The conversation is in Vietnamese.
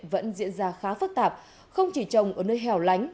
vẫn diễn ra khá phức tạp không chỉ trồng ở nơi hèo lánh